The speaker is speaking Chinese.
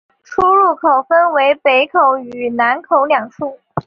出入口分为北口与南口两处。